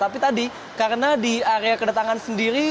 tapi tadi karena di area kedatangan sendiri